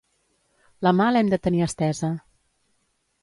La mà l’hem de tenir estesa.